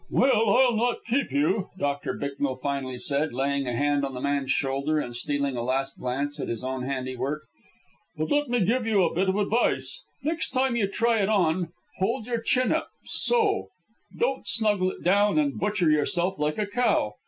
"Well, I'll not keep you," Doctor Bicknell finally said, laying a hand on the man's shoulder and stealing a last glance at his own handiwork. "But let me give you a bit of advice. Next time you try it on, hold your chin up, so. Don't snuggle it down and butcher yourself like a cow.